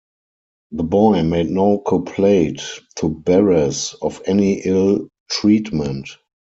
The boy made no complaint to Barras of any ill treatment.